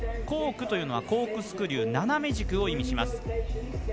コークというのはコークスクリュー斜め軸を意味します。